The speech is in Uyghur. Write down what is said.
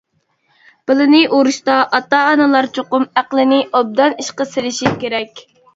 بالىنى ئۇرۇشتا ئاتا-ئانىلار چوقۇم ئەقىلنى ئوبدان ئىشقا سېلىشى كېرەك.